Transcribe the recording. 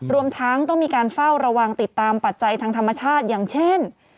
รวมทั้งต้องมีการเฝ้าระวังติดตามปัจจัยทางธรรมชาติอย่างเช่น